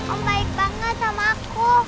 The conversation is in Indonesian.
om naik banget sama aku